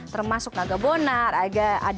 termasuk naga bonar ada juga ji dan juga sang penari